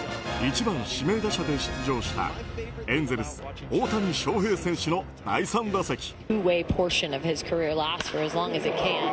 １番指名打者で出場したエンゼルス、大谷翔平選手の第３打席。